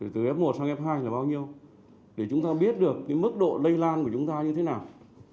từ f một sang f hai là bao nhiêu thì chúng ta biết được mức độ lây lan của chúng ta như thế nào